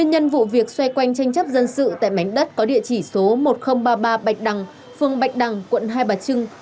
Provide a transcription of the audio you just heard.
nhân vụ việc xoay quanh tranh chấp dân sự tại mảnh đất có địa chỉ số một nghìn ba mươi ba bạch đằng phường bạch đằng quận hai bà trưng